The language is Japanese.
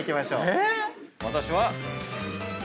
私は。